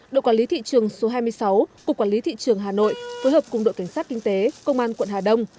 đội quản lý thị trường số hai mươi sáu cục quản lý thị trường hà nội phối hợp cùng đội cảnh sát kinh tế công an quận hà đông